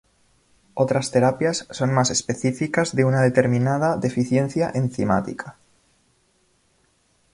Otras terapias son más específicas de una determinada deficiencia enzimática.